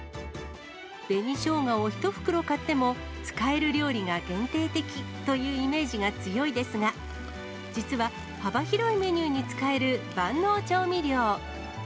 紅しょうがを１袋買っても、使える料理が限定的というイメージが強いですが、実は、幅広いメニューに使える万能調味料。